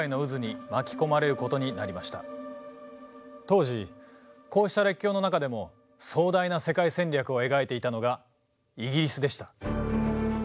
当時こうした列強の中でも壮大な世界戦略を描いていたのがイギリスでした。